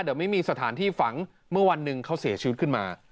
เดี๋ยวไม่มีสถานที่ฝังเมื่อวันหนึ่งเขาเสียชีวิตขึ้นมา